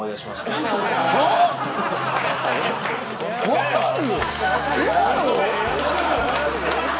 分かる？